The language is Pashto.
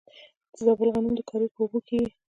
د زابل غنم د کاریز په اوبو کیږي.